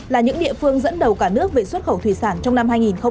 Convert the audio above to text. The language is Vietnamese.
là những địa phương dẫn đầu cả nước về xuất khẩu thủy sản trong năm hai nghìn một mươi chín